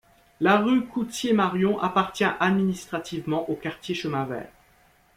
La rue Coutier-Marion appartient administrativement au quartier Chemin-Vert.